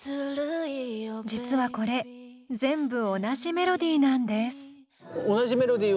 実はこれ全部同じメロディーなんです。